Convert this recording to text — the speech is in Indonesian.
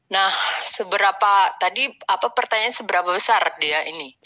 nah seberapa tadi pertanyaannya seberapa besar dia ini